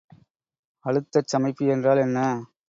அழுத்தச் சமைப்பி என்றால் என்ன?